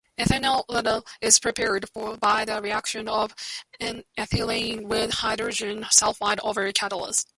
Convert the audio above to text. Ethanethiol is prepared by the reaction of ethylene with hydrogen sulfide over a catalyst.